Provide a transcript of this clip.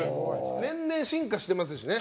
年々進化してますしね。